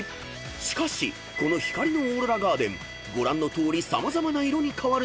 ［しかしこの光のオーロラガーデンご覧のとおり様々な色に変わるので］